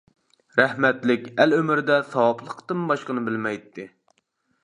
رەھمەتلىك ئەل ئۆمرىدە ساۋابلىقتىن باشقىنى بىلمەيتتى.